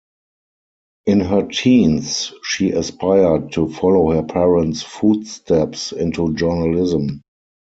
In her teens, she aspired to follow her parents' footsteps into journalism.